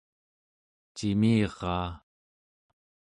cimiraa